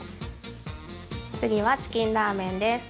◆次は、チキンラーメンです。